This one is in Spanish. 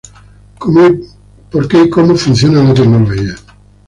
Why and How Technology Matters.